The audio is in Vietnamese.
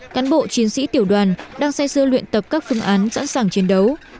cán bộ chiến sĩ tiểu đoàn đang say sư luyện tập các phương án sẵn sàng chiến đấu